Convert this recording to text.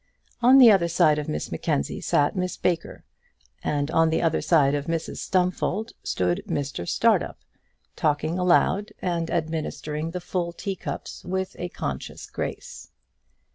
On the other side of Miss Mackenzie sat Miss Baker, and on the other side of Mrs Stumfold stood Mr Startup, talking aloud and administering the full tea cups with a conscious grace.